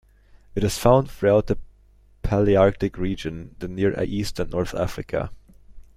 It is found throughout the Palearctic region, the Near East and North Africa.